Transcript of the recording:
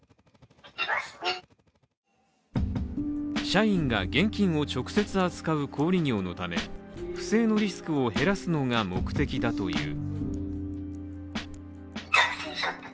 社員が現金を直接扱う、小売業のため不正のリスクを減らすのが目的だという。